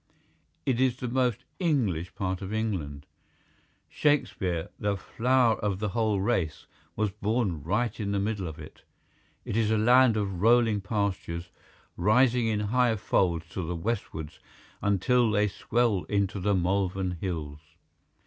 It is the most English part of England. Shakespeare, the flower of the whole race, was born right in the middle of it. It is a land of rolling pastures, rising in higher folds to the westwards, until they swell into the Malvern Hills.